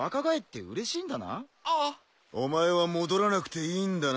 お前は戻らなくていいんだな？